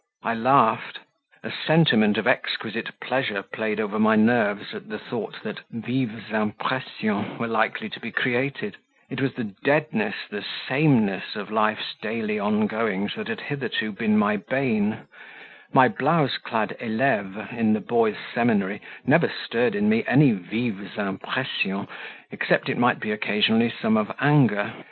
I laughed: a sentiment of exquisite pleasure played over my nerves at the thought that "vives impressions" were likely to be created; it was the deadness, the sameness of life's daily ongoings that had hitherto been my bane; my blouse clad "eleves" in the boys' seminary never stirred in me any "vives impressions" except it might be occasionally some of anger.